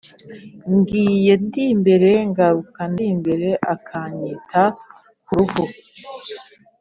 Ngiye ndi imbere ngaruka ndi imbere-Akanyita k'uruhu.